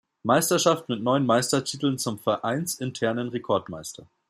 Meisterschaft mit neun Meistertiteln zum vereinsinternen Rekordmeister.